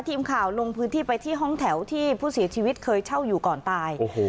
ทีมข่าวลงพื้นที่ไปที่ห้องแถวที่ผู้เสียชีวิตเคยเช่าอยู่ก่อนตาย